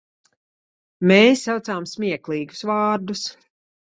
Mēs saucām smieklīgus vārdus.